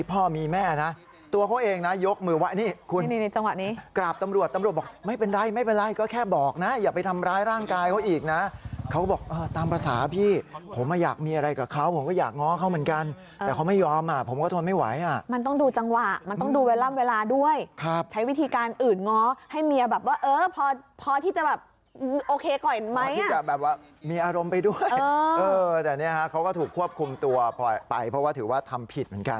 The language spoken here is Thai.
ใจจังหวะนี้กราบตำรวจตำรวจบอกไม่เป็นไรไม่เป็นไรก็แค่บอกนะอย่าไปทำร้ายร่างกายเขาอีกนะเขาก็บอกเออตามภาษาพี่ผมอะอยากมีอะไรกับเขาผมก็อยากง้อเขาเหมือนกันแต่เขาไม่ยอมอะผมก็ทนไม่ไหวอะมันต้องดูจังหวะมันต้องดูเวลาเวลาด้วยครับใช้วิธีการอื่นง้อให้เมียแบบว่าเออพอ